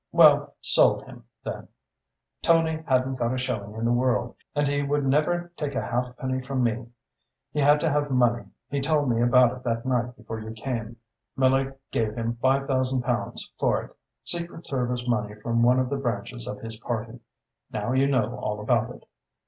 "Well, sold him, then. Tony hadn't got a shilling in the world and he would never take a halfpenny from me. He had to have money. He told me about it that night before you came. Miller gave him five thousand pounds for it secret service money from one of the branches of his party. Now you know all about it."